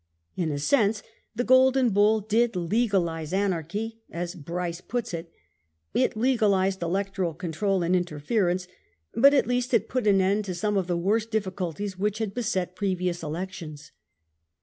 In a sense the Golden Bull did " legaHse anarchy " as Bryce puts it. It legalised Electoral control and interfer ence ; but at least it put an end to some of the worst diffi culties which had beset previous elections.